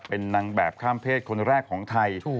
เป็นนางแบบข้ามเพศคนแรกของไทย